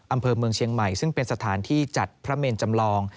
อำเภอเมืองเชียงใหม่ซึ่งเป็นสถานที่จัดพระเมนจำลอง